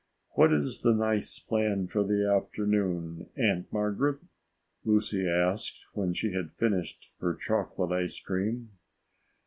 "What is the nice plan for the afternoon, Aunt Margaret?" Lucy asked when she had finished her chocolate ice cream.